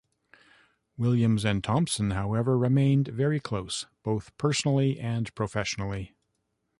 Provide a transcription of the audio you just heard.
Williams and Thompson, however, remained very close, both personally and professionally.